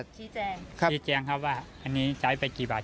ชี้แจงครับชี้แจงครับว่าอันนี้ใช้ไปกี่บาท